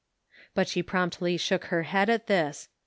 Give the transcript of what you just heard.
But she promptly shook her head at this.